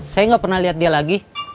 saya nggak pernah lihat dia lagi